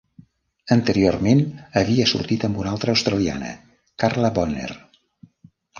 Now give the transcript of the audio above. Anteriorment havia sortit amb una altra australiana, Carla Bonner.